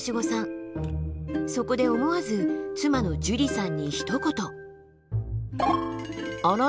そこで思わず妻のじゅりさんにひと言。